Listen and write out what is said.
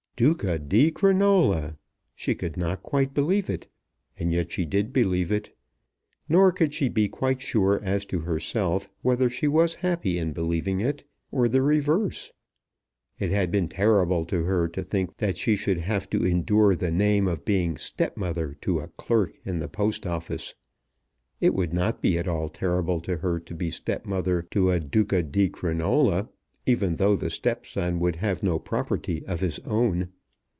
Duca di Crinola! She could not quite believe it; and yet she did believe it. Nor could she be quite sure as to herself whether she was happy in believing it or the reverse. It had been terrible to her to think that she should have to endure the name of being stepmother to a clerk in the Post Office. It would not be at all terrible to her to be stepmother to a Duca di Crinola, even though the stepson would have no property of his own.